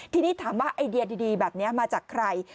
ทีนี้ถามว่าไอเดียดีแบบนี้มาจากใคร